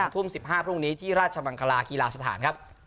ทุ่ม๑๕พรุ่งนี้ที่ราชมังคลากีฬาสถานครับ